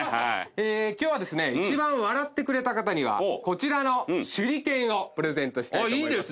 今日はですね一番笑ってくれた方にはこちらの手裏剣をプレゼントしたいと思います。